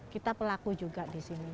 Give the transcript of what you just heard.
kita pelaku juga di sini